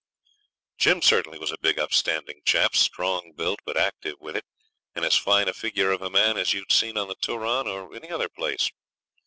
Jim certainly was a big upstanding chap, strong built but active with it, and as fine a figure of a man as you'd see on the Turon or any other place.